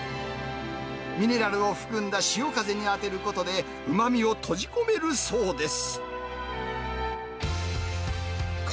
ミネラルを含んだ潮風に当てることで、うまみを閉じ込めるそうです。